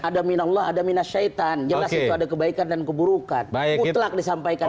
ada minallah ada minasyaitan jelas itu ada kebaikan dan keburukan baik itulah disampaikan